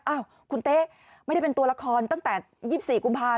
อ้าวคุณเต๊ะไม่ได้เป็นตัวละครตั้งแต่๒๔กุมภาค